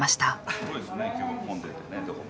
すごいですね今日は混んでてねどこも。